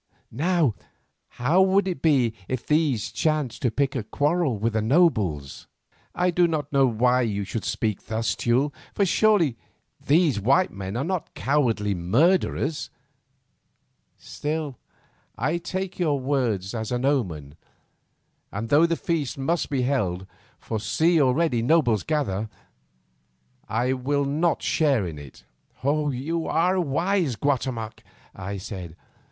Now, how would it be if these chanced to pick a quarrel with the nobles?" "I do not know why you should speak thus, Teule, for surely these white men are not cowardly murderers, still I take your words as an omen, and though the feast must be held, for see already the nobles gather, I will not share in it." "You are wise, Guatemoc," I said.